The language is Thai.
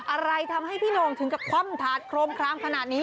อะไรทำให้พี่โน่งถึงกับคว่ำถาดโครมคลามขนาดนี้